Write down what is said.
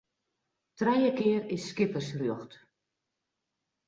Trije kear is skippersrjocht.